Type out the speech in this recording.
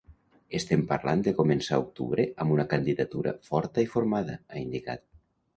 Estem parlant de començar octubre amb una candidatura forta i formada, ha indicat.